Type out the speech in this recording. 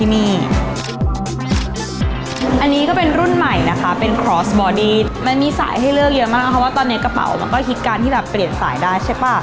มันก็คิดการที่เปลี่ยนสายได้ใช่ป่ะ